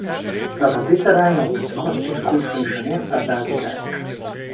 Dat op dit terrein nog niet alles even goed functioneert, staat buiten kijf.